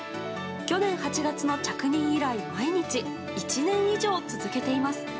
去年８月の着任以来毎日１年以上続けています。